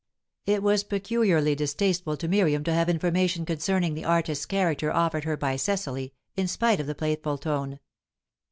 '" It was peculiarly distasteful to Miriam to have information concerning the artist's character offered her by Cecily, in spite of the playful tone.